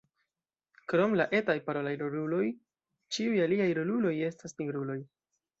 Krom la etaj parolaj roluloj, ĉiuj aliaj roluloj estas nigruloj.